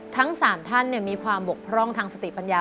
ทั้ง๓ท่านมีความบกพร่องทางสติปัญญา